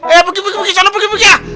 eh pergi pergi sona pergi pergi ha